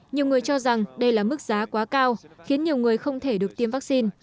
nhiều người cho rằng đây là mức giá quá cao khiến nhiều người không thể được tiêm vaccine